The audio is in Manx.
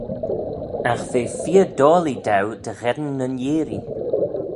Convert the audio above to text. Agh ve feer doillee daue dy gheddyn nyn yeearree.